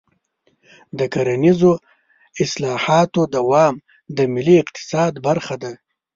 د کرنیزو اصلاحاتو دوام د ملي اقتصاد برخه ده.